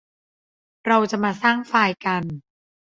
เราจะมาสร้างไฟล์กัน